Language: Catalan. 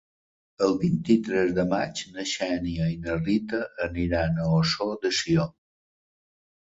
El vint-i-tres de maig na Xènia i na Rita aniran a Ossó de Sió.